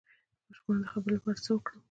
د ماشوم د خبرو لپاره باید څه وکړم؟